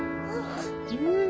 うん。